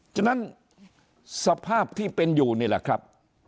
ฉะนั้นสภาพที่เป็นอยู่นี่แหละครับ